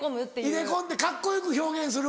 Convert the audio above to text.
入れ込んでカッコよく表現する。